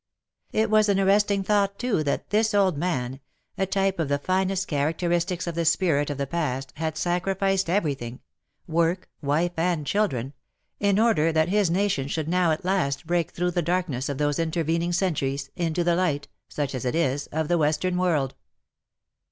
It was an arresting thought too, that this old man — a type of the finest characteristics of the spirit of the Past, had sacrificed everything — work, wife, children — in order that his nation should now at last break through the darkness of those WAR AND WOMEN 31 intervening centuries, into the light — such as it is — of the Western world.